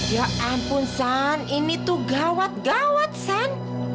ya ampun san ini tuh gawat gawat san